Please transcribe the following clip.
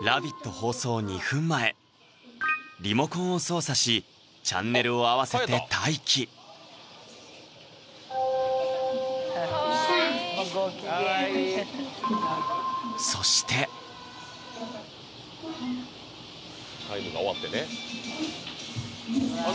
放送２分前リモコンを操作しチャンネルを合わせて待機そして「ＴＨＥＴＩＭＥ，」が終わってねあっ